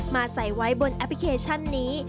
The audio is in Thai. ใส่ไว้บนแอปพลิเคชันนี้